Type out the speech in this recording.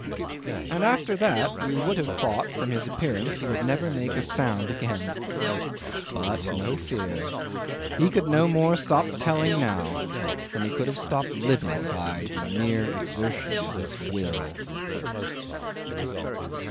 'And after that you would have thought from his appearance he would never make a sound again. But no fear! He could no more stop telling now than he could have stopped living by the mere exertion of his will.